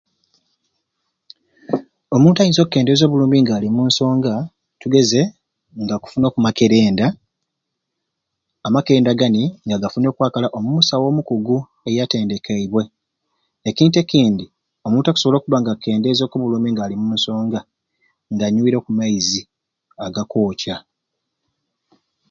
Omuntu ayinza okendeeza obulumi nga ali munsonga tugeze nga akufuna okumakerenda amakerenda gani nga agafunire okwakala omumusawu omukugu eyatendekeibwe, nekintu ekindi omuntu akusobola okubanga akendeza okubulumi nga ali omunsonga nga anywire okumaizi agakwokya.